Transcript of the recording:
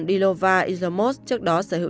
dilovar islomot trước đó sở hữu